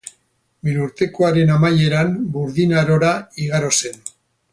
Milurtekoaren amaieran Burdin Arora igaro zen.